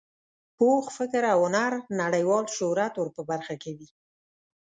پوخ فکر او هنر نړیوال شهرت ور په برخه کوي.